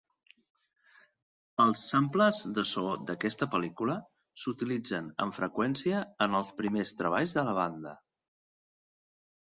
Els samples de so d'aquesta pel·lícula s'utilitzen amb freqüència en els primers treballs de la banda.